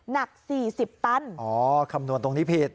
หนัก๔๐ตันอ๋อคำนวณตรงนี้ผิด